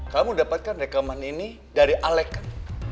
kamu dapatkan rekaman ini dari alec kan